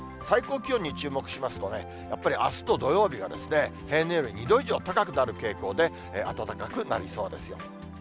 最高気温に注目しますとね、やっぱりあすと土曜日が、平年より２度以上高くなる傾向で、暖かくなりそうですよ。